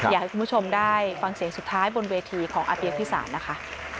อยากให้คุณผู้ชมได้ฟังเสียงสุดท้ายบนเวทีของอาเปียกพิสารนะคะ